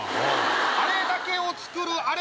あれだけを作るあれ